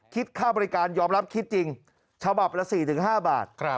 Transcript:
คิดค่าบริการยอมรับคิดจริงฉบับละ๔๕บาท